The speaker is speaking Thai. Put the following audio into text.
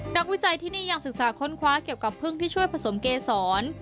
วิจัยที่นี่ยังศึกษาค้นคว้าเกี่ยวกับพึ่งที่ช่วยผสมเกษร